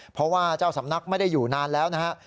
เพราะว่าเจ้าสำนักไม่ได้อยู่นานแล้วนะฮะ